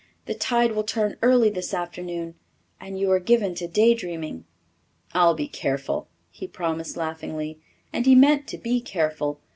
"The tide will turn early this afternoon, and you are given to day dreaming." "I'll be careful," he promised laughingly, and he meant to be careful.